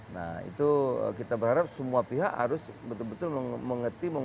nah itu kita berharap semua pihak harus betul betul mengerti